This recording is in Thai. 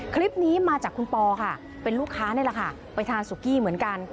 คลิปนี้มาจากคุณปอค่ะเป็นลูกค้านี่แหละค่ะไปทานสุกี้เหมือนกัน